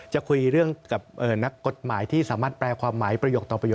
จะคุยเรื่องกับนักกฎหมายที่สามารถแปลความหมายประโยคต่อประโยค